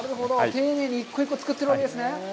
丁寧に一個一個作っているわけですね。